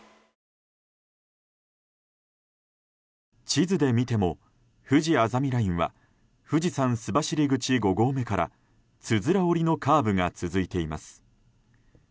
地図で見てもふじあざみラインは富士山須走口５合目からつづら折りのカーブが続いています。